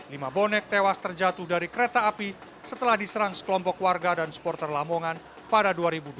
lima bonek tewas terjatuh dari kereta api setelah diserang sekelompok warga dan supporter lamongan pada dua ribu dua belas